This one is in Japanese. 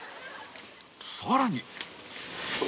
さらに